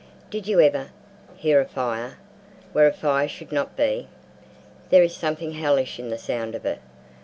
Did you ever hear a fire where a fire should not be? There is something hellish in the sound of it.